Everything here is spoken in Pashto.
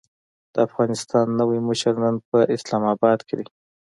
د افغانستان نوی مشر نن په اسلام اباد کې دی.